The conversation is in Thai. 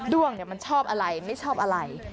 ้วงมันชอบอะไรไม่ชอบอะไร